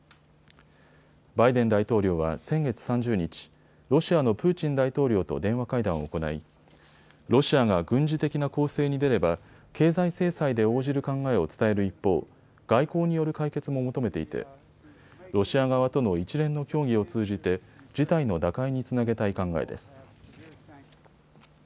バイデン大統領は先月３０日、ロシアのプーチン大統領と電話会談を行いロシアが軍事的な攻勢に出れば経済制裁で応じる考えを伝える一方、外交による解決も求めていてロシア側との一連の協議を通じて事態の打開につなげたい考えです。